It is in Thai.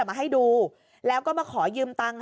มาให้ดูแล้วก็มาขอยืมตังค์